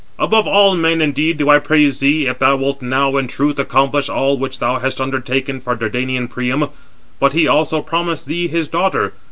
above all men indeed do I praise thee, if thou wilt now in truth accomplish all which thou hast undertaken for Dardanian Priam: but he also promised thee his daughter.